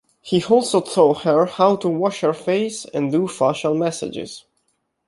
He also taught her how to wash her face and do facial massages.